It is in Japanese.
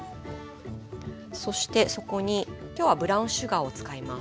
そしてそこに今日はブラウンシュガーを使います。